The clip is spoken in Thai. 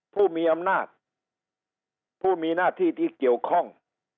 ผู้มีอำนาจผู้มีหน้าที่ที่เกี่ยวข้อง